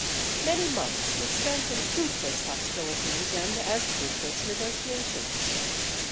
] Many months were spent in fruitless hostilities and as fruitless negotiations.